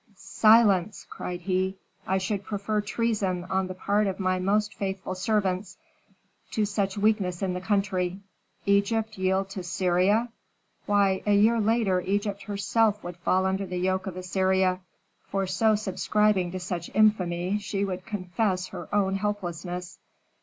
"Silence!" cried he. "I should prefer treason on the part of my most faithful servants, to such weakness in the country. Egypt yield to Assyria why, a year later Egypt herself would fall under the yoke of Assyria, for by subscribing to such infamy she would confess her own helplessness."